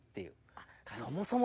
あっそもそも。